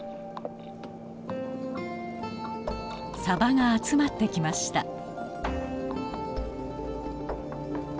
さばが集まってきました。